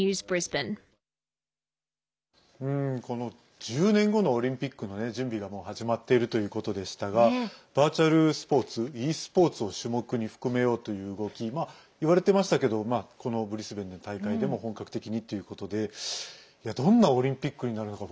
この１０年後のオリンピックの準備がもう始まっているということでしたがバーチャルスポーツｅスポーツを種目に含めようという動きいわれてましたけどブリスベンでの大会でも本格的にということでどんなオリンピックになるのか